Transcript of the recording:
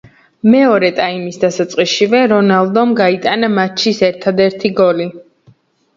მეორე ტაიმის დასაწყისშივე რონალდომ გაიტანა მატჩის ერთადერთი გოლი.